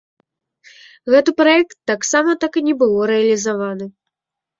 Гэты праект таксама так і не быў рэалізаваны.